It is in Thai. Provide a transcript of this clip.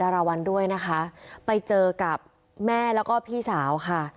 ราวัลด้วยนะคะไปเจอกับแม่แล้วก็พี่สาวค่ะ